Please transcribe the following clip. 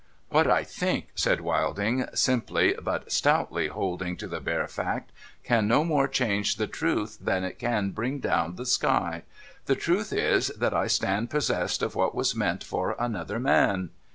■' What I think,' said Wilding, simply but stoutly holding to the bare fact, * can no more change the truth than it can bring down the sky. The truth is that I stand possessed of what was meant for another man.'